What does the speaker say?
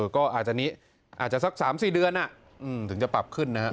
ก็อาจจะนี้อาจจะสัก๓๔เดือนถึงจะปรับขึ้นนะครับ